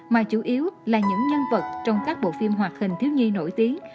mà chủ yếu là những nhân vật trong các bộ phim hoạt hình thiếu nhi nổi tiếng